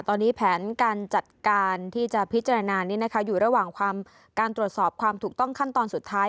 ตอนนี้แผนการจัดการที่จะพิจารณานี้นะคะอยู่ระหว่างการตรวจสอบความถูกต้องขั้นตอนสุดท้าย